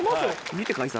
見て解散。